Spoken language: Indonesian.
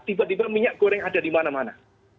tiba tiba minyak goreng ada di mana mana